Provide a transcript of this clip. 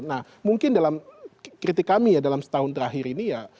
nah mungkin dalam kritik kami ya dalam setahun terakhir ini ya